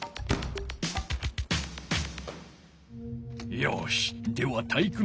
よしでは体育ノ